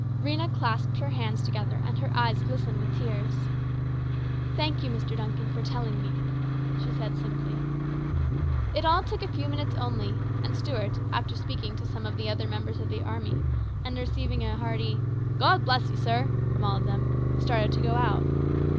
Rhena clasped her hands together, and her eyes glistened with tears. " Thank you, Mr. Duncan, for telling me," she said simply. It all took a few minutes only, and Stuart, after speaking 'to some of the other members of the army and receiving a hearty " God bless you, sir," from all of them, started to go out.